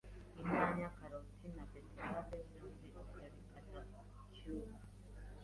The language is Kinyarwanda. inyanya, karoti na beterave byombi ukabikata cube,